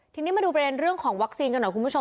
ทีนี้มาดูประเด็นเรื่องของวัคซีนกันหน่อยคุณผู้ชม